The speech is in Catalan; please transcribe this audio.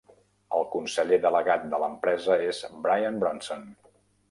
El conseller delegat de l'empresa és Brian Bronson.